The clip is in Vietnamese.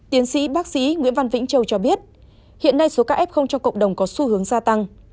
tiến sĩ bác sĩ nguyễn văn vĩnh châu cho biết hiện nay số ca f trong cộng đồng có xu hướng gia tăng